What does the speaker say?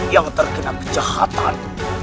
yang terkena kejahatan